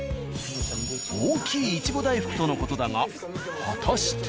大きいいちご大福との事だが果たして？